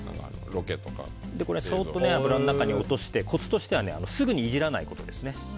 そっと油の中に落としてコツとしてはすぐにいじらないことですね。